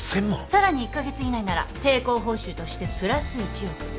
さらに１カ月以内なら成功報酬としてプラス１億。